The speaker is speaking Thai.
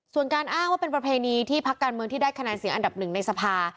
ส่วนการอ้างว่าเป็นประเพณีที่พักการเมืองที่ได้คะแนนเสียงอันดับหนึ่งในสภา